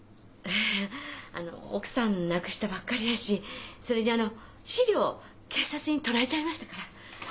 ええあの奥さん亡くしたばっかりだしそれにあの資料警察に取られちゃいましたから。